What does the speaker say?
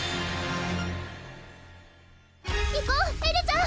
行こうエルちゃん！